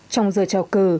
trong giờ trọc